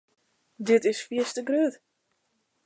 Dit is fierste grut.